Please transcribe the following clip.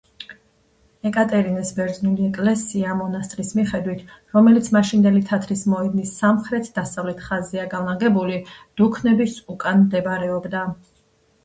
ეკატერინეს ბერძნული ეკლესია-მონასტრის მიხედვით, რომელიც მაშინდელი თათრის მოედნის სამხრეთ-დასავლეთ ხაზზე განლაგებული დუქნების უკან მდებარეობდა.